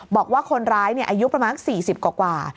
บอกว่าคนร้ายอายุประมาณ๔๐กว่า